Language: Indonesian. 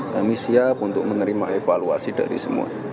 kami siap untuk menerima evaluasi dari semua